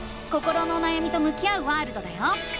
心のおなやみと向き合うワールドだよ！